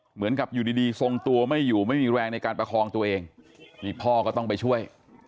เหมือนกับอยู่ดีทรงตัวไม่อยู่ไม่มีแรงในการประคองตัวเองนี่พ่อก็ต้องไปช่วย